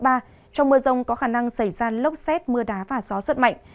trong mưa rông có khả năng xảy ra lốc xét mưa đá và gió rất mạnh